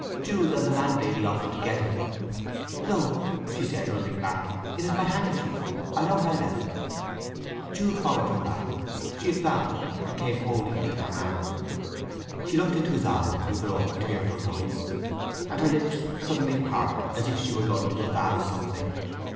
Jude and the landlady offered to get it. "No," she said, running back. "It is my handkerchief. I know where I left it." Jude followed her back. She had found it, and came holding it in her hand. She looked into his eyes with her own tearful ones, and her lips suddenly parted as if she were going to avow something.